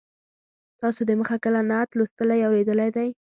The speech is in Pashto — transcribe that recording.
تاسو د مخه کله نعت لوستلی یا اورېدلی دی.